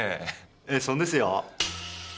ええそんですよ。